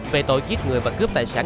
về tội giết người và cướp tài sản